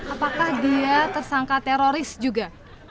apakah dia tersangka teroris juga